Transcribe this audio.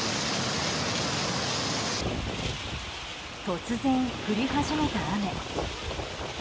突然、降り始めた雨。